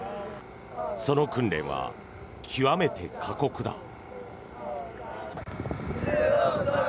その訓練は極めて過酷だ。